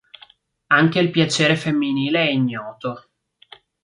Anche il piacere femminile è ignoto.